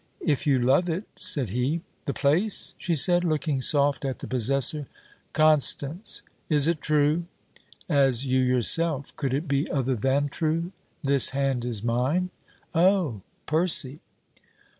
'If you love it!' said he. 'The place?' she said, looking soft at the possessor. 'Constance!' 'Is it true?' 'As you yourself. Could it be other than true? This hand is mine?' 'Oh! Percy.'